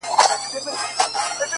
غوږ سه راته ـ